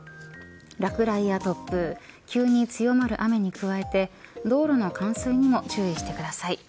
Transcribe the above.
落雷や突風急に強まる雨に加えて道路の冠水にも注意してください。